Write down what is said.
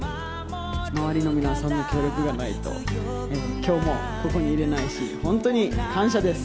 周りの皆さんの協力がないと、きょうもここにいれないし、本当に感謝です！